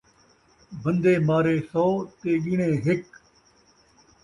بندے مارے سو تے ڳݨے ہک